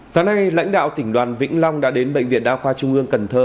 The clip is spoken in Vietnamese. sáng nay lãnh đạo tỉnh đoàn vĩnh long đã đến bệnh viện đa khoa trung ương cần thơ